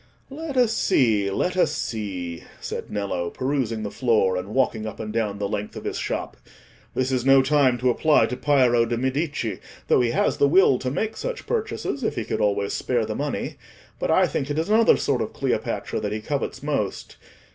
"Let us see, let us see," said Nello, perusing the floor, and walking up and down the length of his shop. "This is no time to apply to Piero de' Medici, though he has the will to make such purchases if he could always spare the money; but I think it is another sort of Cleopatra that he covets most...